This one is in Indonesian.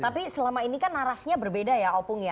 tapi selama ini kan narasinya berbeda ya opung ya